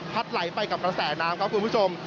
ไหลไปกับกระแสน้ำครับคุณผู้ชม